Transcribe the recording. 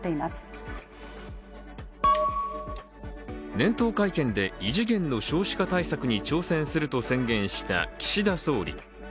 年頭会見で異次元の少子化対策に挑戦すると宣言した岸田総理。